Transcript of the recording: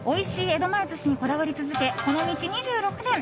江戸前寿司にこだわり続け、この道２６年。